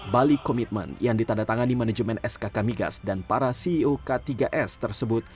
bali commitment yang ditandatangani manajemen skk migas dan para ceo k tiga s tersebut